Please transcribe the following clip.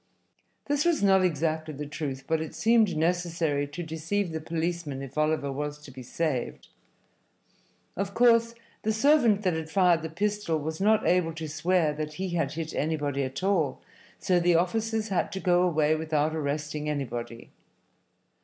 This was not exactly the truth, but it seemed necessary to deceive the policemen if Oliver was to be saved. Of course, the servant that had fired the pistol was not able to swear that he had hit anybody at all, so the officers had to go away without arresting anybody.